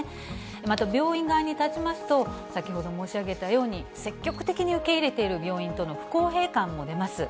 また病院側に立ちますと、先ほど申し上げたように、積極的に受け入れている病院との不公平感も出ます。